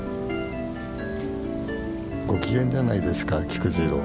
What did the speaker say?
ご機嫌じゃないですか菊次郎。